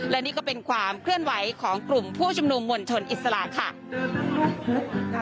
และนี่ก็เป็นความเคลื่อนไหวของกลุ่มผู้ชุมนุมมวลชนอิสระค่ะ